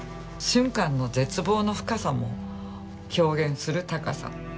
俊寛の絶望の深さも表現する高さ。